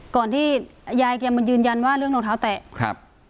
ก่อนที่ยายเขียนมันยืนยันว่าเรื่องรองเท้าแตะ